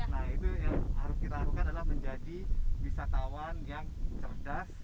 nah itu yang harus kita lakukan adalah menjadi wisatawan yang cerdas